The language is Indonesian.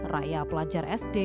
raya pelajar sd